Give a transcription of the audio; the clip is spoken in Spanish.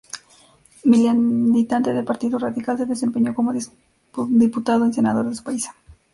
Militante del Partido Radical, se desempeñó como diputado y senador de su país.